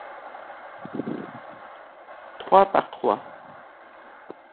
trois par trois.